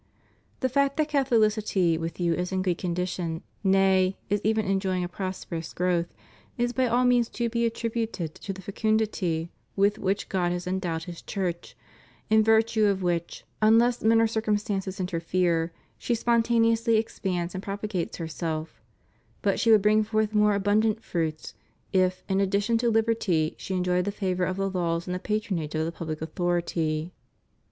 The fact that Catholicity with you is in good condition, nay, is even enjoying a prosperous growth, is by all means to be attributed to the fecimdity with which God has endowed His Church, in virtue of which unless men or 324 CATHOLICITY IN THE UNITED STATES. circumstances interfere, she spontaneously expands and propagates herself; but she would bring forth more abundant fruits if, in addition to liberty, she enjoyed the favor of the laws and the patronage of the pubUc authority.